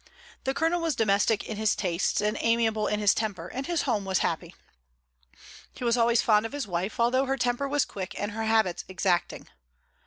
The colonel was domestic in his tastes and amiable in his temper, and his home was happy. He was always fond of his wife, although her temper was quick and her habits exacting.